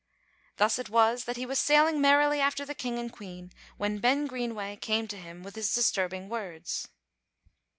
Thus it was, that he was sailing merrily after the King and Queen, when Ben Greenway came to him with his disturbing words.